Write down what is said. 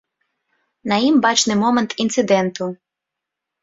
На ім бачны момант інцыдэнту.